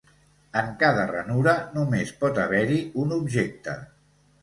En cada ranura només pot haver-hi un objecte.